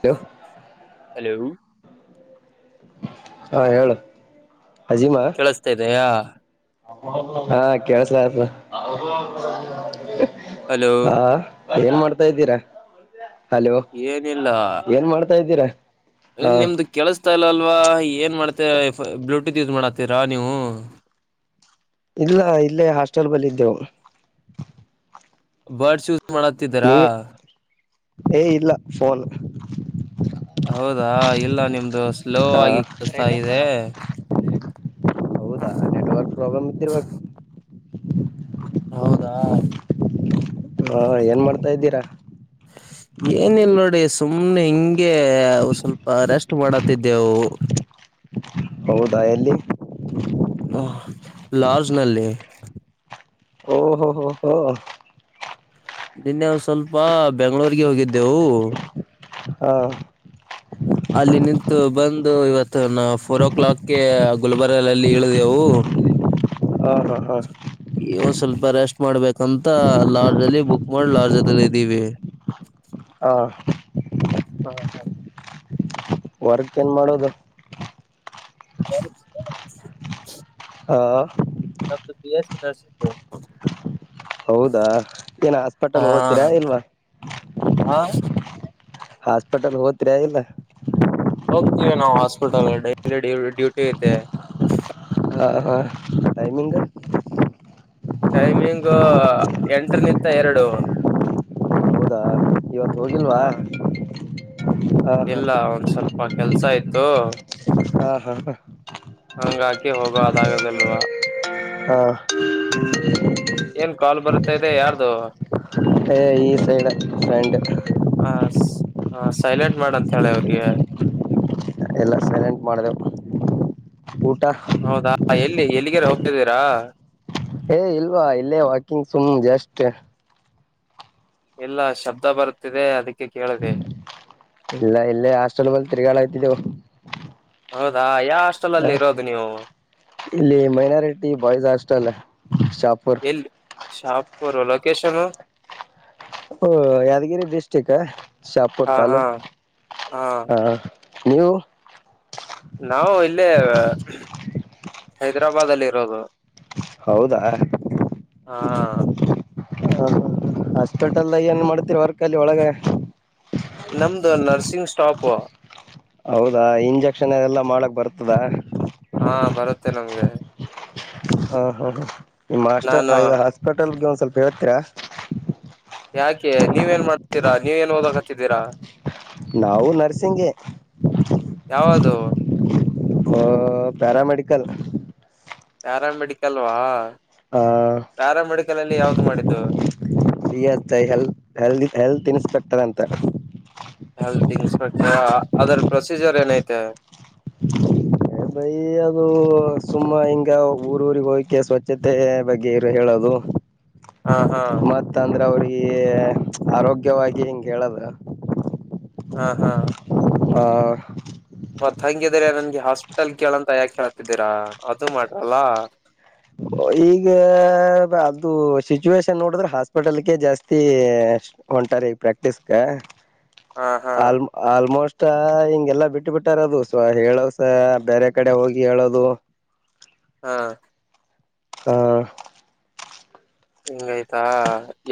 Hello hello ಹಾ ಹೇಳ್ ಕೆೇಳಸ್ತಾ ಇದ್ದೆಯಾ ಹಾ ಕಳ್ಸಲ ಆತ ಹಲೋ [unintelligible] [inaudible] ಹಾ ಏನ್ ಮಾಡ್ತಾ ಇದ್ದೀರಾ ಹಲೋ ಏನ್ ಮಾಡ್ ತಾ ಇದ್ದೀರಾ ಎ ಹ ನಿಮ್ದು ಕೆೇಳಸ್ತಾ ಇಲ್ಲ ಅಲ್ ಅವಾ ಏನ್ ಮಾಡ್ತ [unintelligible] ಬ್ಲೂಟೂತ್ ಯೂಸ್ ಮಾಡತೀರಾ ನೀವು ಇಲ್ಲ ಇಲ್ಲೇ ಹಾಸ್ಟೆಲ್ ಬಳಿ ಇದದ್ದೆವು ಬರ್ ಚು [unintelligible] ನ್ ಮಾಡತಿದ್ದೀರಾ ಏ ಇಲ್ಲ ಫೋನ್ ಹೌದಾ ಇಲ್ಲ ನಿಮ್ ಹ ಹೌದಾ ನೆಟ್ವರ್ಕ್ ಪ್ರಾಬ್ಲಮ್ ಇದ್ದಿರ್ಬೇಕ [inaudible] ಹೌದಾ ಹಾ ಏನ್ ಮಾಡ್ತಾ ಇದ್ದೀರಾ ಏನಿಲ್ ನೋಡಿ ಸುಮ್ನೆ ಹಿಂಗೆ ಗೆ ಸ್ವಲ್ಪ ರೆಸ್ಟ್ ಮಾಡತಿದ್ದೆವು ಹೌದಾ ಎಲ್ಲಿ ಹ ಲಾಡ್ಜ್ ನಲ್ಲಿ ಓ ಹೋ ಹೋ ಹೋ ನಿನ್ನೆ ಒಂದ ಸ್ವಲ್ಪ ಬೆಂಗ್ಳೂರ್ರಿಗೆ ಹೋಗಿದ್ದೆವು ಹಾ ಅಲ್ಲಿ ನಿಂತು ಬಂದು ಇವತ್ತು ತ್ತು ಫೋರ್ ಓ ಕ್ಲಾಕ್ಗೆ ಗುಲ್ಬರ್ಗದಲ್ಲಿ ಇಳಿದೆೇವು ಹಾ ಹಾ ಹಾ ಒಂದ್ ಸ್ವಲ್ಪ ರೆಸ್ಟ್ ಮಾಡ್ಬೇಕಂತ ಲಾಡ್ಜ್ ಅಲ್ಲಿ ಬುಕ್ ಮಾಡಿ ಲಾಡ್ಜಲ್ಲಿ ಇದ್ದೀವಿ ಆ ಹ ವರ್ಕ್ ಏನು ಮಾಡೋದು ಬ [inaudible] ಹಾ ತಾಸ್ಕು [inaudible] ಹೌದಾ ಏನ ಹಾಸ್ಪಿಟಲ್ ಹೋಗ್ತೀರಾ ಇಲ್ವಾ ಹಾ ಹಾಸ್ಪಿಟಲ್ ಹೋತ್ರ ಇಲ್ಲ ಹೋಗ್ತೀವಿ ನಾವು ಹಾಸ್ಪಿಟಲ್ ಡೈಲಿ ಡ ಡ್ಯೂಟಿ ಐತೆ ಹಾಂ ಹಾಂ ಟೈಮಿಂಗ್ ಟೈಮಿಂಗ್ ಎಂಟರ ನಿಂತ ಎರಡು ಹೌದಾ ಇವತ್ತು ಹ ಹೋಗಿಲ್ವಾ ಹಾ ಹಾ ಇಲ್ಲ ಒಂದ್ ಸ್ವಲ್ಪ ಕೆಲ್ಸ ಇತ್ತು ಹಾ ಹಾ ಹ ಹಂಗಾಗಿ ಹೋಗೋದಾಗದಲ್ವಾ ಹಾ ಏನ್ ಕಾಲ್ ಬರುತ್ತ ಇದೆ ಯಾರ್ದು ಫ್ರೆಂಡ್ ಹ ಹ ಸೈಲೆಂಟ್ ಮಾಡ ಅಂತ ಹೇಳಿ ಅವ್ರಿಗೆ ಎಲ್ಲ ಸೈಲೆಂಟ್ ಮಾಡಿದೆವು ಊಟ ಹೌದಾ ಎಲ್ಲಿ ಎಲ್ಲಿಗೆರೆ ಹೋಗು ಹೇಳ್ದೀರಾ ಏ, ಇಲ್ವಾ, ಇಲ್ಲೇ ವಾಕಿಂಗ್ ಸುಮು, ಜಸ್ಟ್. [unintelligible] ಇಲ್ಲ, ಶಬ್ದ, ಬರ್ತ್ತಿದೆ ಅದಕ್ಕೆ. [inaudible] ಇಲ್ಲ, ಇಲ್ಲೇ, ಹಾಸ್ಟೆಲಾಲಿ, ತಿರುಗಾಡುತ್ತಿದೆ. [inaudible] ಹೌದಾ. [inaudible] ಹ, ಅಲ್ಲಿ ಇರೋದು ನೀವು ಇಲ್ಲಿ, ಮೈನಾರಿಟಿ, ಬಾಯ್ಸ್, ಹಾಸ್ಟೆಲ್ ಶಾಪುರ್. [unintelligible] ಕೆೇಶನು.. [inaudible] ಓ, ಯಾದಗಿರಿ, ಡಿಸ್ಟ್ರಿಕ್, ಶಾಪುರ್ ಹಾ ಹಾ ತಲ್ಲೂಕ್ು ಹಾ ಹ ನೀವು. [inaudible] ನಾವು, ಇಲ್ಲೇ. [unintelligible] ಹೈದ್ರಾಬಾದ್, ಅಲ್ಲಿ, ಇರೋದು. [inaudible] ಹೌದಾ.. [unintelligible] ಹಾ.. [inaudible] ಹಾ, ಆಸ್ತೋತಳ್ಳಿ, ಏನ್ ಮಾಡ್ತಿರ, ವರ್ಕ್ ಅಲ್ಲಿ ಒಳಗೆ. [unintelligible] ನಮ್ದು, ನರ್ಸಿಂಗ್, ಸ್ಟಾಪು. [inaudible] ಹೌದಾ, ಇಂಜೆಕ್ಷನ್, ಎಲ್ಲಾ, ಮಾಡಕ್ ಬರ್ತದ. [inaudible] ಹಾ, ಬರುತ್ತೆ, ನಮ್ಗೆ. [inaudible] ಹಾ, ಹಾ, ಹಾ. [unintelligible] ನಾನು ಮಾಸ್ಟರ್ದು, ಹಾಸ್ಪಿಟಲ್ಗೆ, ಒಂದ್ ಸ್ವಲ್ಪ, ಹೇಳು. [unintelligible] ತ್ರ... [unintelligible] ಯಾಕೆ, ನೀವು ಏನ್ ಮಾಡ್ತೀರಾ! ನೀವು, ಏನ್ ಓದಕ್, ಹತ್ತಿದ್ದೀರಾ. [inaudible] ನಾವು, ನರಸಿಂಗೆ. ಯಾವದು [unintelligible] ಹಾ, ಪ್ಯಾರಾಮೆಡಿಕಲ್. [unintelligible] ಪ್ಯಾರಾಮೆಡಿಕಲ್ವಾ. [inaudible] ಹ, ಪ್ಯಾರಾಮೆಡಿಕಲ್ ಅಲ್ಲಿ ಯಾವ್ದು ಬಿಲ್ಹೆಲಾ, ಮಾಡಿದ್ದು ಹೆಲ್ತ್. [unintelligible] ಇದೆಯಂತೆ. [unintelligible] ಹೆಲ್ತ್, ಇನ್ಸ್ಪೆಕ್ಟರ್, ಹಾ. [inaudible] ಅದರ, ಪ್ರೊಸೀಜರ್, ಏನೈತೆ? [inaudible] ಬೈ, ಅದು, ಸುಮ್ಮ, ಹಿಂಗ ಊರ ಊರಿಗೆ ಹೋಗಕ್ಕೆೆ, ಸ್ವಚ್ಛತೆ ಬಗ್ಗೆ ಇರು ಹೇಳೋದು. ಹಾ ಹಾ [unintelligible] ಮತ್ತು, ಅಂದ್ರೆ ಅವ್ರಿಗೆ? [unintelligible] ಹೇ, ಆರೋಗ್ಯವಾಗಿ, ಹಿಂಗೆ, ಹೇಳದು. [unintelligible] ಹಾ, ಹಾ. [inaudible] ಆ.. [unintelligible] ಮತ್, ಹಂಗೆಯ್ದರೆ. [inaudible] ಈ, ಹಾಸ್ಪಿಟಲ್, ಕೇಳಂತ, ಯಾಕ ಕೇಳ್ತಿದ್ದೀರಾ ಅದು ಮಾಡಲ್ಲ. [inaudible] ಈಗ, ಅದು ಸಿಚುವೇಶನ್, ನೋಡಿದ್ರೆ ಹಾಸ್ಪಿಟಲ್ಗೆ, ಜಾಸ್ತಿ ಹೊಂಟಾರೆ! ಈಗ ಪ್ರಾಕ್ಟೀಸಿಗಾ. [unintelligible] ಹಾ ಹಾ ಆಲ್, ಆಲ್ಮೋಸ್ಟ್. [inaudible] ತ್ತ, ಹಿಂಗೆಲ್ಲಾ ಬಿಟ್ಟು ಬಿಟ್ಟಾರದು ಸೊ ಹೇಳಸೊ ಬೇರೆ, ಕಡೆ ಹೋಗಿ ಹೇಳೋದು. [inaudible] ಹಾ.. [inaudible] ಹ ಹಿಂಗಯ್ತಾ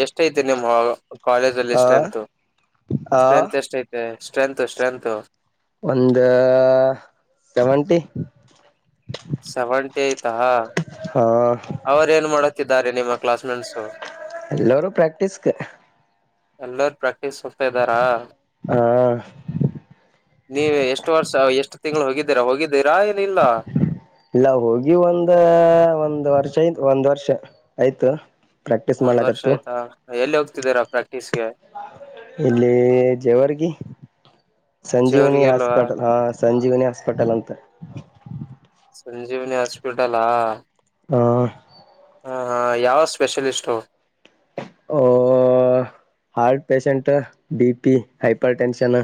ಎಷ್ಟ ಐತಿ ನಿಮ್ವಾಗ ಕಾಲೇಜ ಅಲ್ಲಿ ಆ ಸ್ಟ್ರೆಂತ್ ಆ ಸ್ಟ್ರೆಂತ್ ಎಷ್ಟ ಐತೆ ಸ್ಟ್ರೆಂತ್ ಸ್ಟ್ರೆಂತ್ ಒಂದ ಸೆವೆಂಟಿ ಸೆವೆಂಟೇಯ ತ ಹಾ ಅವ್ರ ಏನ್ ಮಾಡ ನಿಮ್ಮ ಕ್ಲಾಸ್ಮೇಟ್ಸ್ ಎಲ್ಲಾರೂ ಪ್ರಾಕ್ಟಿಸಸ್ ಎಲ್ಲ ಪ್ರಾಕ್ ಸುತ್ತಾ ಇದ್ದಾರಾ ಹಾ ನೀವ ಎಷ್ಟು ವರ್ಷ ಎಷ್ಟು ತಿಂಗಳು ಹೋಗಿದ್ದೀರಾ ಹೋಗಿದ್ದೀರಾ ಏನ ಇಲ್ಲ ಇಲ್ಲ ಚೈ ಒಂದ್ ವರ್ಷ ಆಯ್ತು ಪ್ರಾಕ್ಟೀಸ್ ಒಂದ್ ವರ್ಷ ಮಾಡ್ಲಕತ್ತು ಆಯ್ತಾ ಎಲ್ಲಿ ಹೋಗ್ತ ರ ಇಲ್ಲಿ ಜೇವರ್ಗಿ ಸಂಜೀವನಿ ಜೇವ್ರಿಗೆಲ್ವಾ ಹಾಸ್ಪಿಟಲ್ ಹಾ ಸಂಜೀವನಿ ಹಾಸ್ಪಿಟಲ್ ಅಂತ ಹಕ್ ಹಂ ಸಂಜೀವಿನಿ ಹಾಸ್ಪಿಟಲಾ ಹ ಹಾ ಹಾ ಯಾವ ಸ್ಪೆಷಲಿಸ್ಟು ಓ heart patient B P hypertension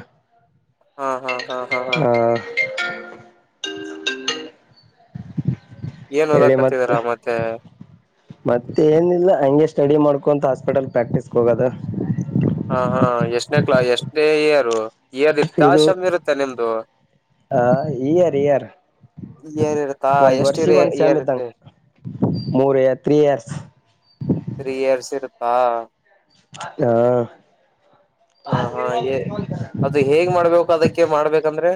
ಹಾ ಹಾ ಹಾ ಹಾ ಹಾ ಏನ್ ಹೇಳಿ ಮತ್ತ ಓದಾಕತ್ತಿದಾರ ಮತ್ತೆ ಮತ್ತೆ ಏನಿಲ್ಲ ಹಗೆ ಸ್ಟಡಿ ಮಾಡ್ಕ ಕೊಂತ ಹಾಸ್ಪಿಟಲ್ ಪ್ರಾಕ್ಟೀಸ್ಗೆ ಹೋಗೋದು ಹ ಹಾ ಎಷ್ಟನೇ ಕ್ಲಾ ಎಷ್ಟನೇ ಇಯರ್ ಇಯರ್ ಇರ್ತಾ ಇದು ಶಮ್ ಇರುತ್ತೆ ನಿಮ್ದು ಆ ಇಯರ್ ಇಯರ್ ಇಯರ್ ಇರುತ್ತಾ ಒಂದ್ ಎಷ್ಟು ವರ್ಷಗ ಒಂದ್ ಸ್ಯಾಮ್ ಇಯರ್ ಇದ್ದಂಗ ಇರುತ್ತೆ ಮೂರುರ್ ತ್ರೀ ಇಯರ್ಸ್ ತ್ರತ್ರೀ ಇಯರ್ಸ್ ಇಪಾ ಹ ಹ ಹಾ ಅದು ಹೇಗ್ ಮಾಡ್ಬೇಕು ಅದಕ್ಕೆ ಮಾಡ್ಬೇಕಂದ್ರೆ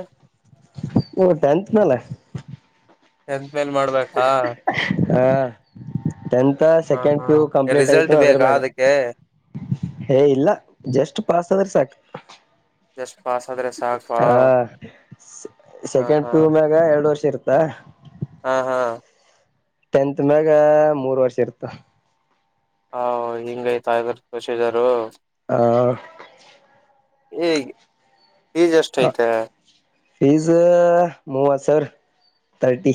ಟೆನ್ತ್ನಲ್ಲೇ ಎ ಮೇನ್ ಮಾಡ್ಬೇಕಾ ಹಾ ಟೆಂತ್ ಹಾ ಸೆಕೆಂಡ್ ಹಾ ಪ್ಯು ಕಂಪ್ಲೀಟ್ ರಿಸಲ್ಟ್ ಆಯತ ಅದ್ರ ಬೇಕಾ ಮ್ಯ ಅದಕ್ಕೆ ಹೇ ಇಲ್ಲ ಜಸ್ಟ್ ಪಾಸ್ ಆದ್ರೆ ಸಾಕು ಜಸ್ಪಸ್ ಹ ಹಾ ಹಾ ಸೆಕೆಂಡ್ ೂ ಮ್ಯಾಗ ಎರಡು ವರ್ಷ ಇರ್ತ ತ್ತ ಹಾ ಹಾ ಟೆಂತ್ ಮ್ಯಾಗ ಮೂರ್ ವರ್ಷ ಇರ್ತ ಹಾ ಹಿಂಗೈ್ತಾ ಇದರು ಷಿದರು ಆ ಈಏ ಹ ಫೀಸ್ ಮೂವ ಸರ್ ತರ್ಟಿ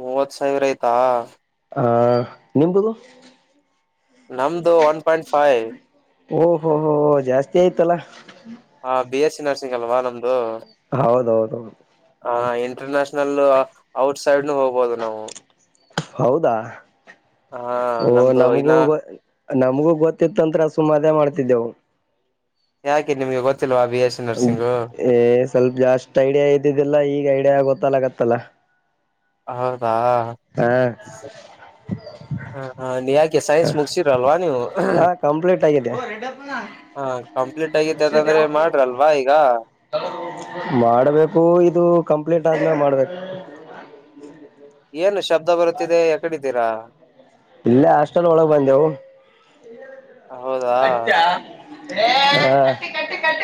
ಮೂವತ್ ಸಾವಿರ ಆಯ್ತಾ ಆ ನಿಂಬದು ನಮ್ದು ಒನ್ ಪಾಯಿಂಟ್ ಫೈವ್ ಓಹಹೋ ಹೋ ಜಾಸ್ತಿ ಆಯ್ತಲ್ಲ ಹಾ ಬಿ ಎಸ್ ಸಿ ನರ್ಸಿಂಗ್ ಅಲ್ವಾ ನಮ್ದು ಹೌದೌದುೌ ಆ ಇಂಟರ್ನ್ಯಾಷನಲ್ ಔಟ್ ಸೈಡ್ನು ಹೋಗ್ಬಹುದು ನಾವು ಹೌದಾ ಹಾ ಓ ನಮ್ದು ನಮಗೂ ಇನ್ನ ನಮಗೂ ಗೊತ್ತಿತ್ತಂತ್ರ ಸುಮ್ಮದೆ ಮಾಡ್ತಿದ್ದೆವು ಯಾಕೆ ನಿಮ್ಗೆ ಗೊತ್ತ ಏ ಸ್ವಲ್ಪ ಜಾಸ್ಟ್ ಐಡಿಯಾ ಇದ್ದಿದೆಲ್ಲ ಈಗ ಐಡಿಯಾ ಆಗತ್ತ ಕತ್ತಲ್ಲ ಕತ್ತಲ್ಲ ಹೌದು ಹ ಹ ಹ ನೀ ಯಾಕೆ ಸೈನ್ಸ್ ಮುಗಸಿರಲ್ವಾ ನೀವು ಹ ಕಂಪ್ಲೀಟ್ ಆಗಿದೆ ಹ ಕಂಪ್ಲೀಟ್ ಆಗಿತೆ ಅದಂದ್ರೆ ಮಾಡ್ರಲ್ವಾ ಈಗ ಮಾಡಬೇಕು ಇದು ಕಂಪ್ಲೀಟ್ ತಾಜ್ನ ಮಾಡಬೇಕು ಏನು ಶಬ್ದ ಬರುತ್ತಿದೆ ಯ ಕಡಿದ್ದೀರಾ ಇಲ್ಲ ಆಷ್ಟ ಒಳ ಬಜವು ಹೌದಾ ಹ ಕಟ್ಟಿ ಕಟ್ಟಿ ಕಟ್ಟ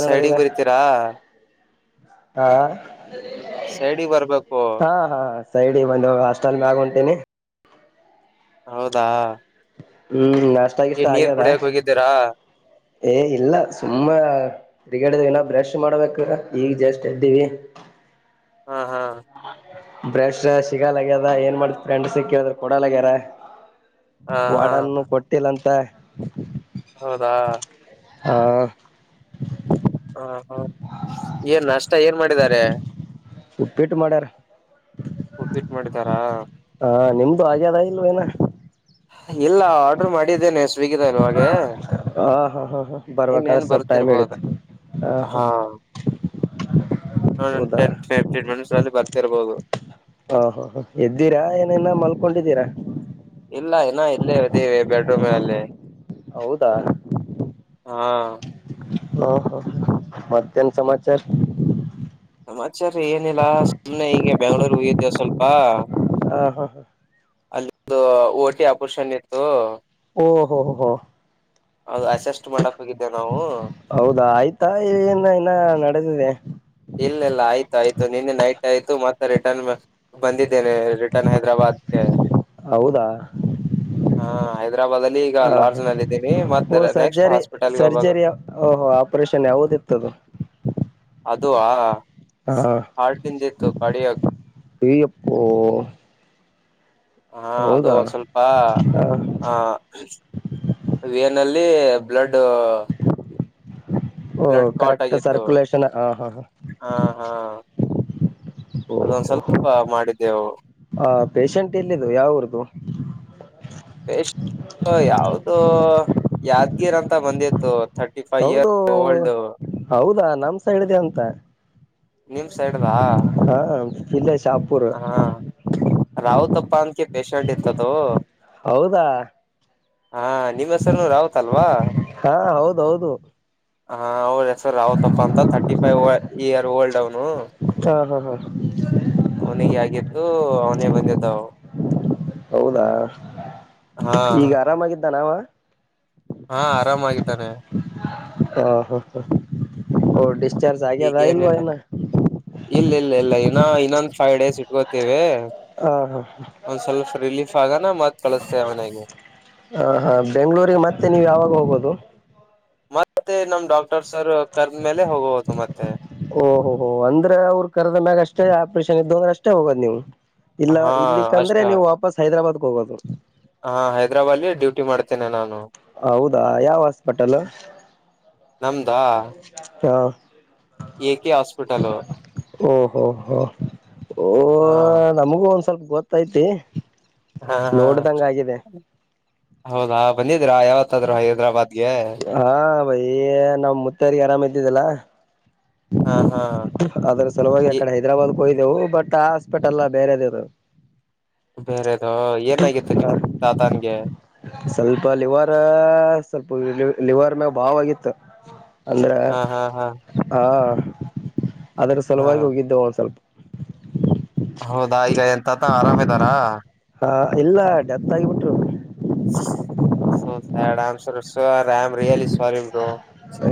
ಸಡಿ ಬರಿತೀರಾ ಹಾ ಸೈಡಿಗೆ ಬರ್ಬೇಕು ಹಾ ಹಾ ಸೈಡ್ ಬಂದು ಹಾಸ್ಟೆಲ್ ಮ್ಯಾಗ ಹೊಂಟೀಿನಿ ಹೌದಾ ಹ್ಮ್ ನಾಷ್ಟ ಗಿಷ್ಟ ಏನ್ ನೀರ್ ಆಗ್ಯದ ಕುಡಿಯಕ್ ಹೋಗಿದ್ದೀರಾ ಏ ಇಲ್ಲ ಸುಮ್ಮ ತಿರಿಗಡಿನ ಬ್ರಷ್ ಮಾಡ್ಬೇಕು ಈಗ್ ಜಸ್ಟ್ ಎ್ದೀವಿ ಹಾ ಹಾ ಹ ಬ್ರಷ್ ಸಿಗಲ್ಗ್ಯದ ಏನ್ ಮಾಡ ಫ್ರೆಂಡ್ ಸಿಕ್ಕೇಳಿದ್ರ ಕೊಡಗ್ಯಾರ ಹಾ ಹಾ ವಾಡನ್ನು ಕೊಟ್ಟಿಲ್ಲಂತ ತ್ತೆ ಹೌದಾ ಹ ಹಾ ಹಾ ಏನ್ ನಾಷ್ಟ ಏನ್ ಮಾಡಿದಿದ್ದಾರೆ. ಉಪ್ಪಿಟ್ಟು ಮಾಡ್ಯಾರ. ಫಿಟ್ ಮಾಡಿದಾರಾ ಹಾ ನಿಮ್ದು ಆಗ್ಯದ ಇಲ್ವ ಇನ್ನಾ. ಇಲ್ಲ ಆರ್ಡರ್ ಮಾಡಿದ್ದೇನೆ. [unintelligible] ಹ ಹಾ ಹಾ ಹಾ ಬರ್ಬೇಕಾದ್ರೆ ಸ್ವಲ್ಪ ಟೈಮ್ ಹಿಡಿತು ಹ ಹಾ ಹೌದಾ ಇಷ್ಟರಲ್ಲಿ ಬರ್ತಿರ್ಬಹದು. ಹಾ ಹಾ ಹ ಎದ್ದೀರಾ ಏನ್ ಇನ್ನ ಮಲ್ಕೊಂಡಿದ್ದೀರಾ. ಇಲ್ಲ ಇನ್ನಾ ಇಲ್ಲೇ ಅದೀವಿ ಬೆಡ್ರೂಮ್ ಅಲ್ಲಿ. ಹೌದಾ. ಹಾ. ಹ ಹ ಮತ್ತೆ ಏನ್ ಸಮಾಚಾರ. ಸಮಾಚಾರ ಏನಿಲ್ಲಾ ಸುಮ್ಮನೆ ಈಗ ಬೆಂಗ್ಳೂರು ಹೋಗಿದ್ದೇ ಸ್ವಲ್ಪ. ಹಾ, ಹಾ, ಹಾ ಅಲ್ಲಿದು ಓಟಿ ಆಪರೇಷನ್ ಇತ್ತು. ಓಹೋ ಹೋ ಅದು ಅಸೆಸ್ಟ್ ಮಾಡಕ್ ಹೋಗಿದ್ದೇವು ನಾವು ಹೌದಾ ಆಯ್ತಾ ಏನ್ ಇನ್ನ ನಡೆದಿದೆ. ಇಲ್ಲ ಇಲ್ಲ, ಆಯ್ತು ಆಯ್ತು, ನಿನ್ನೆ ನೈಟ್ ಆಯ್ತು ಮತ್ತೆ ರಿಟರ್ನ್ ಬಂದಿದ್ದೇನೆ ರಿಟರ್ನ್ ಹೈದ್ರಾಬಾದ್ಗೆ ಹೌದಾ ಹ ಹೈದ್ರಾಬಾದ್ಲ್ಲಿ ಈಗ ಹ ಲಾರ್ಜ್ ನಲ್ಲಿ ಇದೀನಿ ಓ ಮತ್ತ ನೆಕ್ಸ್ಟ್ ಸರ್ಜರಿ ಹಾಸ್ಪಿಟಲ್ಗೆ ಹಾಗ ಸರ್ಜರಿ ಓಹೋ ಆಪರೇಷನ್ ಯಾವದಿತ್ತದು ಅದು ಹಾ ಹಾ ಹೇ ಎಪ್ಪೋ. ಹಾ ಅದು ಒಂದ್ ಸ್ವಲ್ಪ ಹ ಆ, ವಿ ಅನ್ ಅಲ್ಲಿ ಬ್ಲೂಡ್. ಓ ಕರೆಕ್ಟ್ ಸರ್ಕುಲೇಷನ್ ಹಾ, ಹಾ, ಹಾ ಅದೊಂದ ಓಹೋ ಸ್ವಲ್ಪ ಮಾಡಿದ್ದೆವು. ಪೇಷಂಟ್ ಎಲ್ಲಿದ್ದು ಯಾವ್ರದು, ಪೇ ಯಾವ್ದು ಯಾದ್ಗೀರ ಅಂತ ಬಂದಿತ್ತು. ಥರ್ಟಿ ಫೈವ್ ಹೌದು ಇಯರ್ ಓಲ್ಡ್ ಹೌದಾ. ನಮ್ ಸೈಡ್ದೇ ಅಂತ. ನಿಮ ಸೈಡ್ವಾ ಹಾ ಇಲ್ಲೇ ಶಾಪುರ್ ಹಾ ರಾಹು ತ್ತಪ್ಪ ಅದ್ಕೇ ಪೇಶೆಂಟ್ ಇತ್ತು ಅದು. ಹೌದಾ. ಹಾ ನಿಮ್ಮ ಹೆಸರು ರಾವುತ್ ಅಲ್ವಾ. ಹಾ ಹೌದೌದು ಹಾ ಹೌದ- ಸರ್ ರಾವತಪ್ಪ ಅಂತ ಥರ್ಟಿ ಫೈವ ಇಯರ್ ಓಲ್ಡ್. ಹ್ಮ ಹಾ ಹಾ ಹಾ ಅವನಿಗೆ ಆಗಿತ್ತು ಅವನೇ ಬಂದಿದ್ದವು. ಹೌದಾ. ಹಾ ಈಗ ಆರಾಮಗಿ ನಾವಾ ಹಾ ಆರಾಮಾಗಿದ್ದಾನೆ ಹ ಹಾ ಹಾ ಹೌಡಿ ಈಗೇನಿಲ್ಲ ಇಲ್ಲ ಇಲ್ಲ ಇಲ್ಲ ಇನ ಇನ್ನೊಂದು ಫೈವ್ ಡೇಸ್ ಇಟ್ ಗೊತ್ತೇವಿ ಹ ಹ ಒಂದ್ ಸ್ವಲ್ಪ ರಿಲೀಫ್ ಆಗ ನಮತ್ ಹ ಹಾ ಬೆಂಗ್ಳೂರಿಗೆ ಮತ್ತೆ ನೀವು ಯಾವಾಗ ಹೋಗೊದು ಹ [unintelligible] ಮತ್ತೆ ನಮ್ ಡಾಕ್ಟ್ ಓಹೋ ಹೋ ಅಂದ್ರೆ ಅವ್ರ್ ಕರ್ದ್ ಮ್ಯಾಗ ಅಷ್ ತ್ತೆ ಆಪರೇಷನ್ ಇದ್ದಾಗ ಅಷ್ಟೇ ಹೋಗೋದು ನೀವು ಇಲ್ಲ ಹಾ ಇಲ್ಲಿಕ್ಕಂದ್ರೆ ನೀವು ವಾಪಸ್ ಹೈದರಾಬಾದ್ ಹೋಗೋದು ಹಾ ಹೈದ್ರಾಬಾದ್ಲಿ ಡ್ಯೂಟಿ ಮಾಡ್ತೇನೆ ನಾನು ಹೌದಾ ಯಾವ ಹಾಸ್ಪಿಟಲ್ ನಮ್ದಾ ಹಾ ಎ ಕೆ ಹಾಸ್ಪಿಟಲ್ ಓ ಹೋ ಹೋ ಓ ಹಾ ನಮುಗು ಒಂದ್ ಸ್ವಲ್ಪ ಗೊತ್ತೈತಿ ಹಾ ಹಾ ನೋಡ್ದಂಗ ಆಗಿದೆ ಹೌದಾ ಬನ್ನಿ ್ರಾ [unintelligible] ಯಾವತ್ತಾದ್ರು ಹೈದ್ರಾಬಾದ್ಗೆ ಏ ನಾವ್ ಮುತ್ತಾರಿಗೆ ಆರಾಮ ಇದ್ದಿದ್ದಲ್ಲ ಹಾ ಹಾ ಆದ್ರೆ ಸಲುವಾಗಿ ಆ ಕಡೆ ಹೈದರಾಬಾದ್ ಹಯ್ದವು ಬಟ್ ಹಾಸ್ಪಿಟ್ಲ್ಲ ಬೇರೆದೇವ್ರು ಬೇರೆದು ಏನಾಗಿತ್ತು [unintelligible] ಹಾ ನಿಮ್ ತಾತನ್ಗೆ ಸ್ವಲ್ಪ ಲಿವರ ಸ್ವಲ್ಪ ಲಿವರ್ ಮ್ಯಾಗ ಭಾವ್ ಆಗಿತ್ತು ಹಾ ಹಾ ಹಾ ಹಾ [inaudible] ಅದ್ರ ಹಾ ಸುಲುವಾಗಿ ಹೋಗಿದ್ದೆ ಒಂದ್ ಸ್ವಲ್ಪ್ ಹೌದಾ ಈಗ ಎನ್ ತಾತ ಆರಾಮ್ ಇದಾರ ಹ ಇಲ್ಲ ಡೆತ್ ಆಗಿಬಿಟ್ರು ಹ [inaudible] ಎನ್ಸರ್ ರಾಮ್ ರಿಯಲಿ ಸಾರಿರು [unintelligible] ಹಾಯ್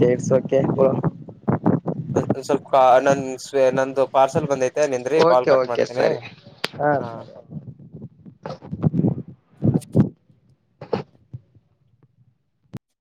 ಕೆಟ್ಟುಕೆಲಸಕ್ಕೆಂದು ಸ್ವಲ್ಪ ನನ್ ಸ್ ನಂದು ಪಾರ್ಸಲ್ ಬಂದೈತೆ, ನಿಂದ್ರಿ ಓಕೆ ಕಾಲ್ ಕಟ್ ಓಕೆ ಮಾಡ್ತೀನಿ ಸರಿ ಹಾ ಹ ಸರಿ,